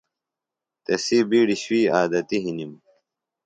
تسی بِیڈیۡ شُوئی عادتیۡ ہِنم۔